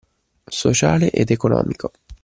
Sociale ed economico